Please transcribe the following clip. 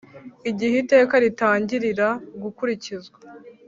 Igihe iteka ritangirira gukurikizwa